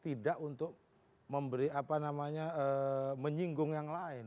tidak untuk memberi apa namanya menyinggung yang lain